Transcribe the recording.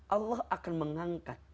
allah akan mengangkat